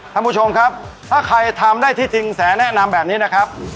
ท่านผู้ชมครับถ้าใครทำได้ที่จริงแสแนะนำแบบนี้นะครับ